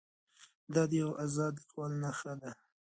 دا د یو ازاد لیکوال نښه ده.